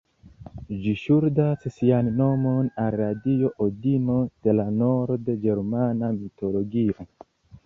Ĝi ŝuldas sian nomon al la dio Odino de la nord-ĝermana mitologio.